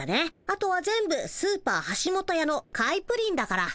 あとは全部スーパーはしもとやの買いプリンだから。